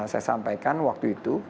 saya sampaikan waktu itu